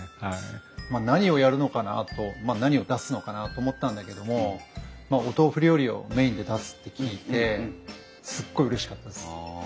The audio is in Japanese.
何をやるのかなと何を出すのかなと思ったんだけどもまあお豆腐料理をメインで出すって聞いてすっごいうれしかったです。